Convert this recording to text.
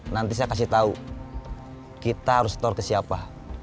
nanti saya kasih tau kita harus keluar ke siapa